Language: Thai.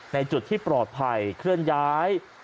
ในจุดที่ปลอดภัยเคลื่อนย้าย